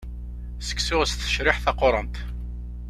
Seksu s tecriḥt taqurant.